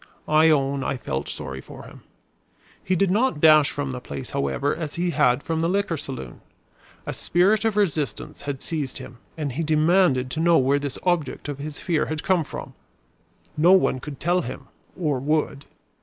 I own I felt sorry for him. He did not dash from the place, however, as he had from the liquor saloon. A spirit of resistance had seized him and he demanded to know where this object of his fear had come from. No one could tell him (or would).